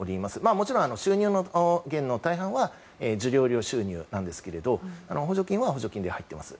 もちろん収入源の大半は授業料収入ですが補助金は補助金で入ってます。